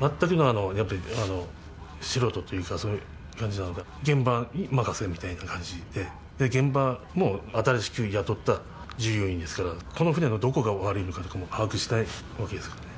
全くのやっぱり素人というか、そういう感じなので、現場任せみたいな感じで、現場も新しく雇った従業員ですから、この船のどこが悪いのかとかも把握してないわけですからね。